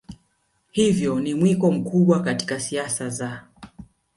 hivyo ni mwiko mkubwa katika siasa za